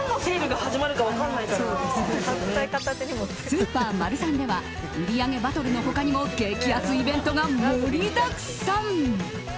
スーパーマルサンでは売り上げバトルの他にも激安イベントが盛りだくさん。